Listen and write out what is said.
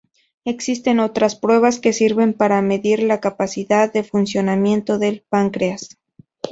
Existen otras pruebas que sirven para medir la capacidad de funcionamiento del páncreas.